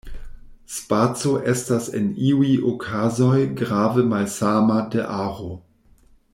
Spaco estas en iuj okazoj grave malsama de aro.